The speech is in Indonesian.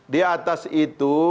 di atas itu